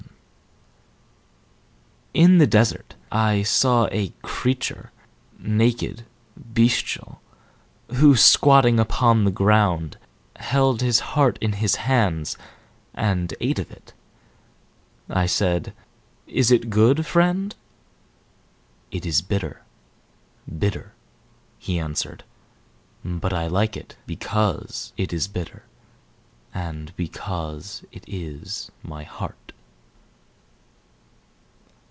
III In the desert I saw a creature, naked, bestial, who, squatting upon the ground, Held his heart in his hands, And ate of it. I said, "Is it good, friend?" "It is bitter bitter," he answered; "But I like it Because it is bitter, And because it is my heart."